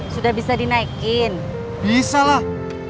sudah bisa dinaikin bisa loh